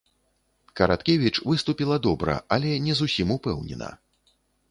Караткевіч выступіла добра, але не зусім упэўнена.